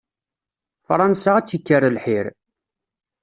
Fransa ad tt-ikker lḥir.